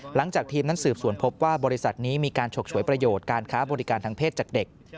หลังจากทีมนั้นสืบสวนพบว่าบริษัทนี้มีการฉกฉวยประโยชน์การค้าบริการทางเพศจากเด็ก